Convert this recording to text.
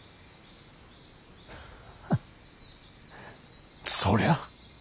ハッそりゃ